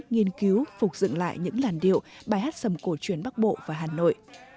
nghiên cứu phục dựng lại những làn điệu bài hát sầm cổ truyền bắc bộ và hà nội